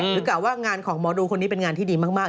กล่าวว่างานของหมอดูคนนี้เป็นงานที่ดีมาก